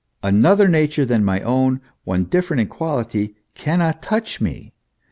Another nature than my own, one different in quality, cannot touch me.